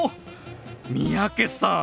三宅さん